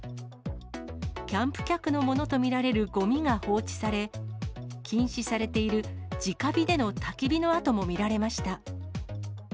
キャンプ客のものと見られるごみが放置され、禁止されているじか火でのたき火の跡も見られました。